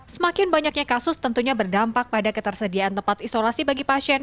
semakin banyaknya kasus tentunya berdampak pada ketersediaan tempat isolasi bagi pasien